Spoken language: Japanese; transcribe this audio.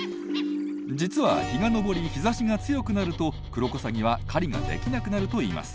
実は日が昇り日ざしが強くなるとクロコサギは狩りができなくなるといいます。